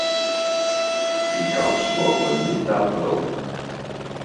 Die kans mogen we niet laten lopen.